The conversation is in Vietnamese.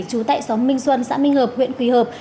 trú tại xóm minh xuân xã minh hợp huyện quỳ hợp